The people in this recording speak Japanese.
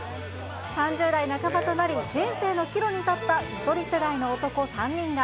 ３０代半ばとなり、人生の岐路に立ったゆとり世代の男３人が、